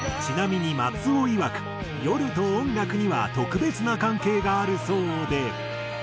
ちなみに松尾いわく夜と音楽には特別な関係があるそうで。